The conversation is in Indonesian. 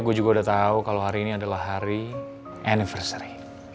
gue juga udah tahu kalau hari ini adalah hari anniversary